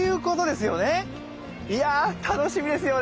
いや楽しみですよね。